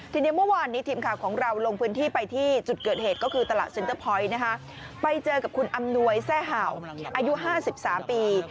ทีนี้เมื่อวานนี้ทีมข่าวของเราลงพื้นที่ไปที่จุดเกิดเหตุก็คือตลาดเซ็นเตอร์พอยต์นะคะไปเจอกับคุณอำนวยแทร่เห่าอายุ๕๓ปี